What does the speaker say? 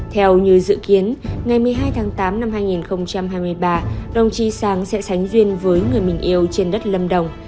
theo như dự kiến ngày một mươi hai tháng tám năm hai nghìn hai mươi ba đồng chí sáng sẽ sánh duyên với người mình yêu trên đất lâm đồng